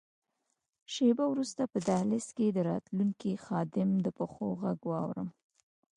شیبه وروسته په دهلېز کې د راتلونکي خادم د پښو ږغ واورم.